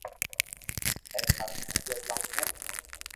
ھي ٿارو مسلئ ڪاو ھي